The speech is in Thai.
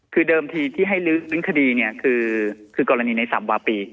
คือเดิมทีที่ให้รื้อฟื้นคดีคือกรณีในสัปดาห์ปี